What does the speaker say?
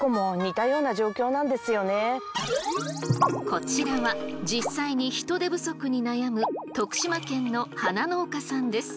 こちらは実際に人手不足に悩む徳島県の花農家さんです。